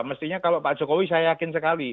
mestinya kalau pak jokowi saya yakin sekali